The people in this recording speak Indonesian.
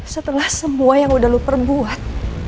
setelah semua yang udah lu perbuat